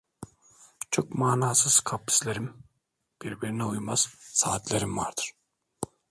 Çok manasız kaprislerim, birbirine uymaz saatlerim vardır…